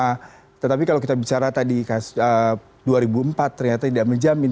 nah tetapi kalau kita bicara tadi dua ribu empat ternyata tidak menjamin